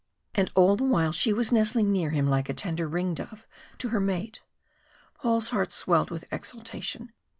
And all the while she was nestling near him like a tender ring dove to her mate. Paul's heart swelled with exultation.